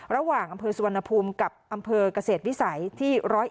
ระหว่างอำเภอสุวรรณภูมิกับอำเภอกเกษตรวิสัยที่๑๐๑